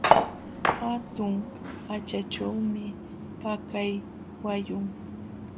Hatun haćhachuumi pakay wayun.